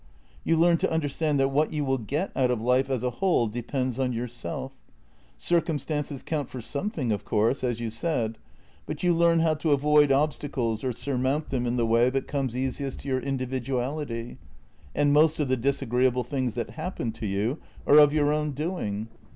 You learn to understand that what you will get out of life as a whole depends on your self. Circumstances count for something, of course, as you said, but you learn how to avoid obstacles or surmount them in the way that comes easiest to your individuality, and most of the disagreeable things that happen to you are of your own doing.